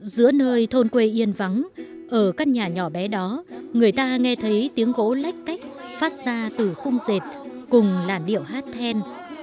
giữa nơi thôn quê yên vắng ở các nhà nhỏ bé đó người ta nghe thấy tiếng gỗ lách cách phát ra từ khung dệt cùng làn điệu hát then